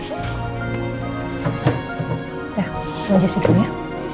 ya sama jess itu ya